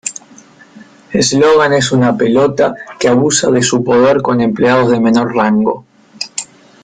Slogan es una pelota que abusa de su poder con empleados de menor rango.